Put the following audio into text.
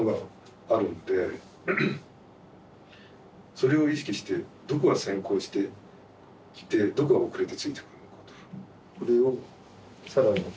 それを意識してどこが先行してどこが遅れてついてくるのかと。